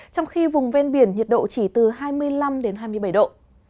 trong khi vùng ven biển nhiệt độ chỉ từ hai mươi năm hai mươi bảy độ